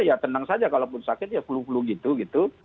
ya tenang saja kalaupun sakit ya flu flu gitu gitu